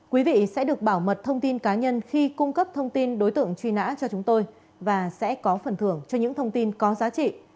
quý vị sẽ được bảo mật thông tin cá nhân khi cung cấp thông tin đối tượng truy nã cho chúng tôi và sẽ có phần thưởng cho những thông tin có giá trị